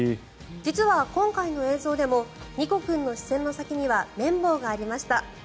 実は、今回の映像でもニコ君の視線の先には綿棒がありました。